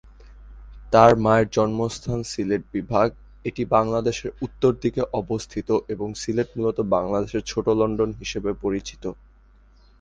তার মায়ের জন্মস্থান সিলেট বিভাগ, এটি বাংলাদেশের উত্তর দিকে অবস্থিত এবং সিলেট মূলত বাংলাদেশের ছোট লন্ডন হিসেবে পরিচিত।